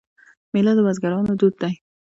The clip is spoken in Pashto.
میله د بزګرانو دود دی.